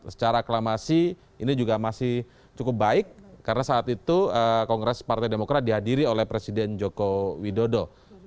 secara aklamasi ini juga masih cukup baik karena saat itu kongres partai demokrat dihadiri oleh presiden joko widodo